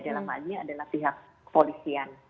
dalam hal ini adalah pihak kepolisian